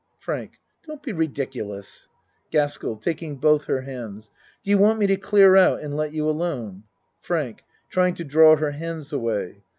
FRANK Don't be ridiculous. GASKEL. (Taking both her hands.) Do you want me to clear out and let you alone? FRANK (Trying to draw her hands away.)